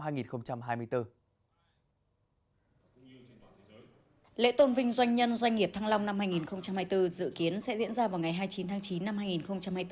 lễ tôn vinh doanh nhân doanh nghiệp thăng long năm hai nghìn hai mươi bốn dự kiến sẽ diễn ra vào ngày hai mươi chín tháng chín năm hai nghìn hai mươi bốn